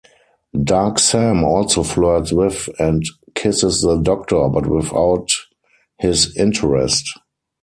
Dark Sam also flirts with and kisses the Doctor, but without his interest.